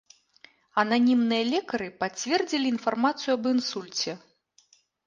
Ананімныя лекары пацвердзілі інфармацыю аб інсульце.